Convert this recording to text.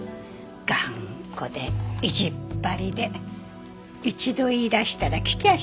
頑固で意地っ張りで一度言い出したら聞きゃしない。